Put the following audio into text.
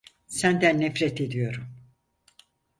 Senden nefret ediyorum.